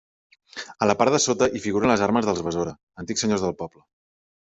A la part de sota hi figuren les armes dels Besora, antics senyors del poble.